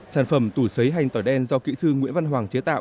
sản phẩm tủ xấy hành tỏi đen do kỹ sư nguyễn văn hoàng chế tạo